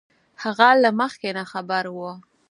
هغه له مخکې نه خبر وو